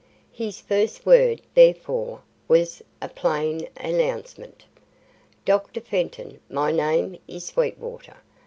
His first word, therefore, was a plain announcement. "Dr. Fenton, my name is Sweetwater.